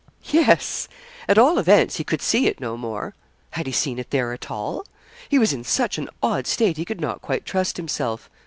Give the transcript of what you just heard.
Yes. At all events, he could see it no more. Had he seen it there at all? He was in such an odd state he could not quite trust himself.